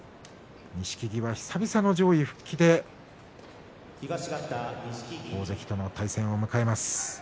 錦木は久々の上位復帰で大関との対戦を迎えます。